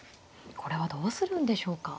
これはどうするんでしょうか。